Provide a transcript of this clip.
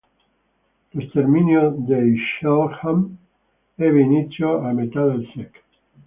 Lo sterminio dei Selk'nam ebbe inizio a metà del sec.